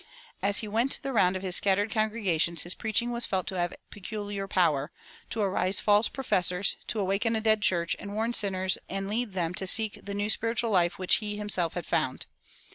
As he went the round of his scattered congregations his preaching was felt to have peculiar power "to arouse false professors, to awaken a dead church, and warn sinners and lead them to seek the new spiritual life which he himself had found."